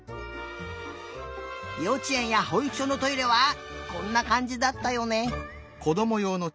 ようちえんやほいくしょのトイレはこんなかんじだったよね。